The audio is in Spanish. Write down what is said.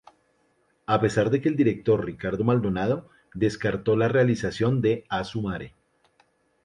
A pesar de que el director Ricardo Maldonado descartó la realización de "¡Asu Mare!